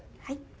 はい。